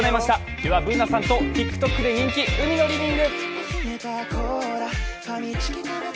では、ＢｏｏｎａさんとＴｉｋＴｏｋの人気、「海のリビング」